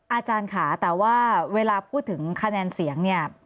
อาจารย์ค่ะแต่ว่าเวลาพูดถึงคะแนนเสียงเนี่ย